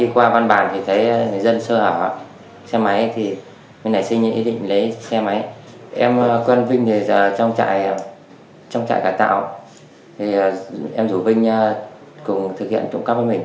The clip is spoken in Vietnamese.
quân vinh trong trại cải tạo em thủ vinh cùng thực hiện trụng cắp với mình